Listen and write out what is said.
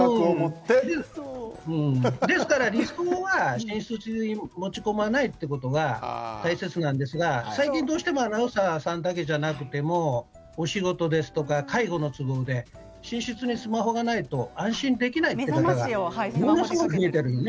ですから、理想は寝室に持ち込まないということが大切なんですが最近どうしてもアナウンサーさんだけじゃなくてもお仕事でしたり介護の都合で寝室にスマホがないと安心できないというね方がものすごく増えています。